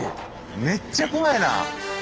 めっちゃ怖いな。